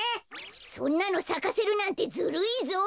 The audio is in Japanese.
そんなのさかせるなんてずるいぞ！